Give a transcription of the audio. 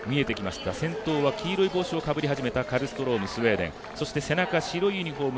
見えてきました、先頭は黄色い帽子をかぶり始めたカルストローム、スウェーデン。